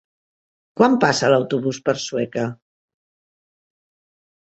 Quan passa l'autobús per Sueca?